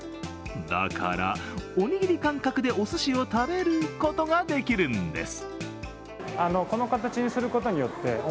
だからおにぎり感覚でおすしを食べることができるんです。